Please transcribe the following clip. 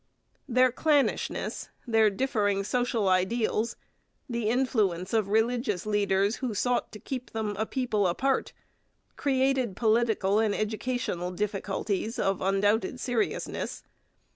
Their clannishness, their differing social ideals, the influence of religious leaders who sought to keep them a people apart, created political and educational difficulties of undoubted seriousness.